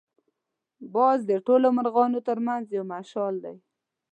باز د ټولو مرغانو تر منځ یو مشال دی